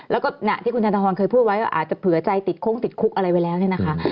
แล้วก็ที่คุณธนทรเคยพูดไว้ว่าอาจจะเผื่อใจติดโค้งติดคุกอะไรไว้แล้วเนี่ยนะคะ